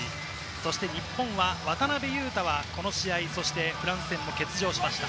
そして日本は渡邊雄太は、この試合、そしてフランス戦も欠場しました。